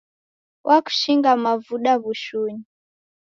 Wakushinga mavuda w'ushunyi